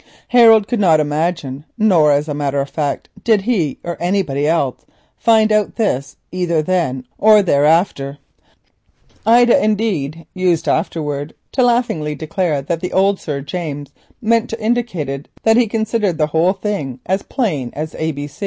Harold could not imagine, nor, as a matter of fact, did he or anybody else ever find out either then or thereafter. Ida, indeed, used afterwards to laughingly declare that old Sir James meant to indicate that he considered the whole thing as plain as A.